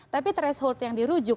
tapi threshold yang dirujuk